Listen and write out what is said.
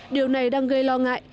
điều này đang gây lo ngại